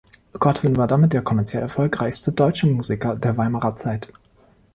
Godwin war damit der kommerziell erfolgreichste deutsche Musiker der Weimarer Zeit.